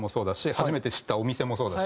初めて知ったお店もそうだし。